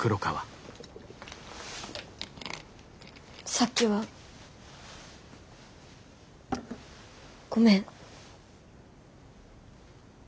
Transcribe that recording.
さっきはごめん。